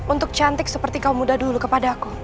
untuk cantik seperti kau muda dulu kepada aku